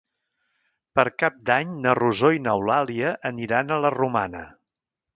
Per Cap d'Any na Rosó i n'Eulàlia aniran a la Romana.